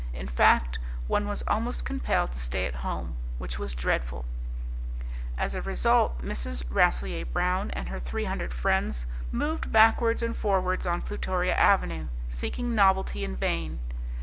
In fact, one was almost compelled to stay at home which was dreadful. As a result Mrs. Rasselyer Brown and her three hundred friends moved backwards and forwards on Plutoria Avenue, seeking novelty in vain.